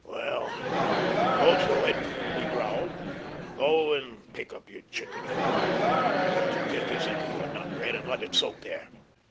"Well, go to it!" he growled. "Go and pick up your chicken feed! But you get this into your nut, Red, and let it soak there.